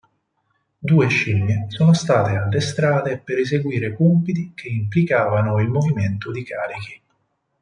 Due scimmie sono state addestrate per eseguire compiti che implicavano il movimento di carichi.